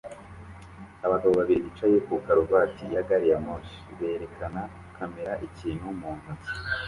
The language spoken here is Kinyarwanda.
Abagabo babiri bicaye ku karuvati ya gari ya moshi berekana kamera ikintu mu ntoki